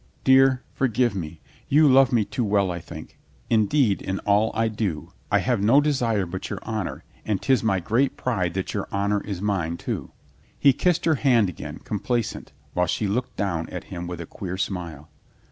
"Dear, forgive me. You love me too well, I think. Indeed, in all I do, I have no desire but your honor, and 'tis my great pride that your honor is mine, too." He kissed her hand again, complacent, while she looked down at him with a queer smile.